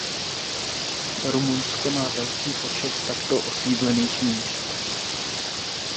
Rumunsko má velký počet takto osídlených míst.